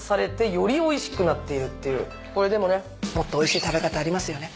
これでもねもっとおいしい食べ方ありますよね。